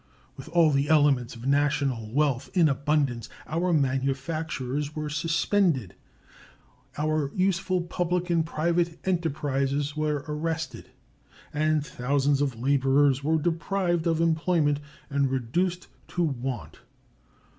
With all the elements of national wealth in abundance, our manufactures were suspended, our useful public and private enterprises were arrested, and thousands of laborers were deprived of employment and reduced to want.